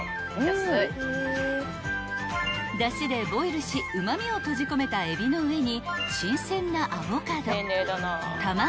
［だしでボイルしうま味を閉じ込めたえびの上に新鮮なアボカド玉ねぎ